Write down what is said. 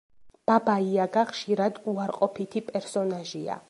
ბაბა იაგა ხშირად უარყოფითი პერსონაჟია.